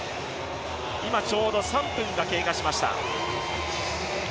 今、ちょうど３分が経過しました。